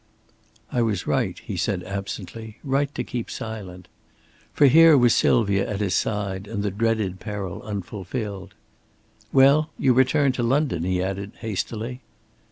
"I was right," he said, absently, "right to keep silent." For here was Sylvia at his side and the dreaded peril unfulfilled. "Well, you returned to London?" he added, hastily.